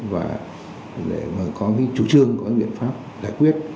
và có cái chủ trương có cái biện pháp giải quyết